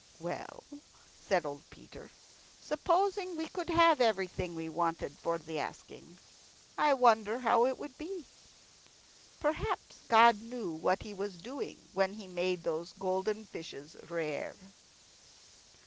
"Well," said old Peter, "supposing we could have everything we wanted for the asking, I wonder how it would be. Perhaps God knew what He was doing when He made those golden fishes rare."